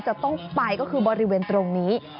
จะต้องไปก็คือบริเวณตรงนี้